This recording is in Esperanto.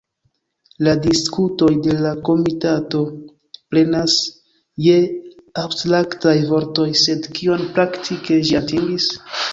La diskutoj de la komitato plenas je abstraktaj vortoj, sed kion praktike ĝi atingis?